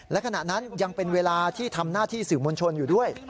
และขณะนั้นยังเป็นเวลาที่ทำหน้าที่สื่อมวลชนอยู่ด้วย